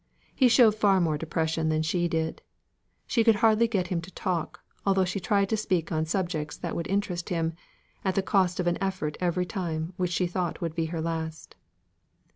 He showed far more depression than she did. She could hardly get him to talk, although she tried to speak on subjects that would interest him, at the cost of an effort every time which she thought would be her last.